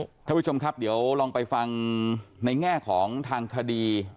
คุณผู้ชมครับเดี๋ยวลองไปฟังในแง่ของทางคดี